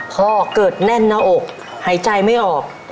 พ่อเกิดแน่นหน้าอกหายใจไม่ออก